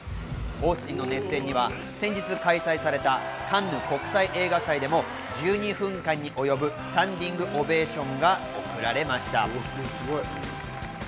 オースティンの熱演には先日開催されたカンヌ国際映画祭でも１２分間に及ぶスタンディングオベーションが送られました。